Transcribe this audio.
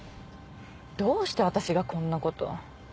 どうして私がこんなこと。